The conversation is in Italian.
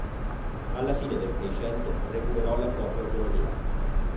Alla fine del Seicento recuperò la propria autonomia.